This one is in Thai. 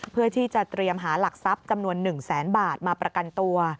เพื่อที่จะเตรียมหาหลักทรัพย์จำนวน๑แสนบาทมาประกันตัว